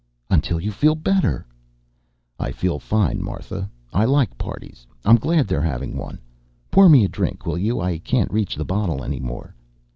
"Until you feel better." "I feel fine, Martha. I like parties. I'm glad they're having one. Pour me a drink, will you? I can't reach the bottle anymore."